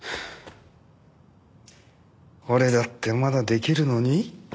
俺だってまだできるのに。